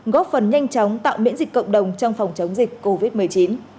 góp phần nhanh chóng tạo miễn dịch cộng đồng trong phòng chống dịch covid một mươi chín